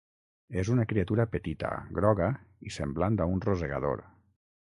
És una criatura petita, groga i semblant a un rosegador.